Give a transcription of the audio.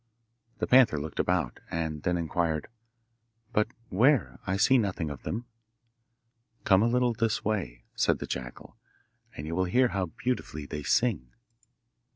The panther looked about, and then inquired, 'But where? I see nothing of them.' 'Come a little this way,' said the jackal, 'and you will hear how beautifully they sing.